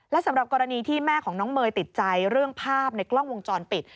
และสำหรับกรณีที่แม่ของน้องเมย์ติดใจเรื่องภาพในกล้องวงจรปิด